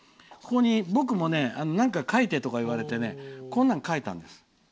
僕も何か書いてって言われてこんなん書いたんです。